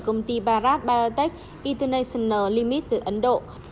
công ty bharat biotech international limited từ ấn độ